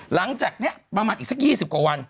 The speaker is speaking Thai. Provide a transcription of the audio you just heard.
หลังจากนี้ประมาณอีกสัก๒๐กว่าวัน